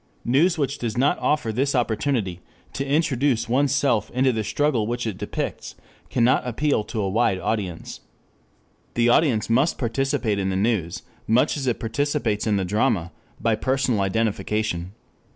News which does not offer this opportunity to introduce oneself into the struggle which it depicts cannot appeal to a wide audience. The audience must participate in the news, much as it participates in the drama, by personal identification.